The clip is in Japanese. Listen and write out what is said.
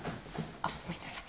あっごめんなさい